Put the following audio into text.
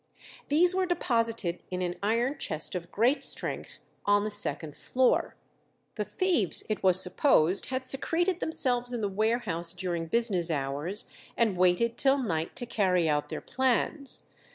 These were deposited in an iron chest of great strength on the second floor. The thieves it was supposed had secreted themselves in the warehouse during business hours, and waited till night to carry out their plans.